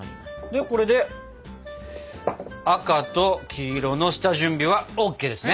でこれで赤と黄色の下準備はＯＫですね！